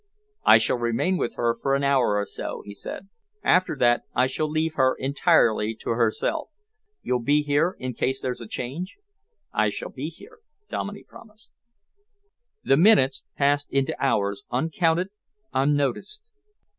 "I shall remain with her for an hour or so," he said. "After that I shall leave her entirely to herself. You'll be here in case there's a change?" "I shall be here," Dominey promised. The minutes passed into hours, uncounted, unnoticed.